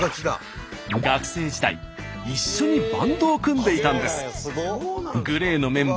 学生時代一緒にバンドを組んでいたんです。